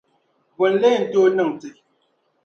Bɔ n-lee n tooi n-niŋ ti?